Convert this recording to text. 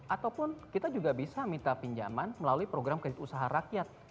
ataupun kita juga bisa minta pinjaman melalui program kredit usaha rakyat